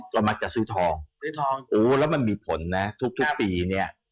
ก็มักจะซื้อทองแล้วมันมีผลนะทุกปี